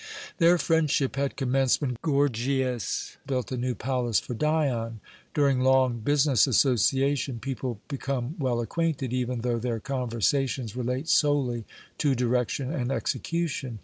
Their friendship had commenced when Gorgias built a new palace for Dion. During long business association people become well acquainted, even though their conversations relate solely to direction and execution.